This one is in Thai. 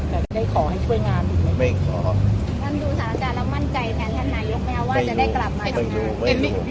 แต่ได้ขอให้ช่วยงานอีกไหมไม่ขอท่านดูสถานการณ์แล้วมั่นใจแผนท่านนายกไม่เอาว่าจะได้กลับมาทำงานไม่รู้ไม่รู้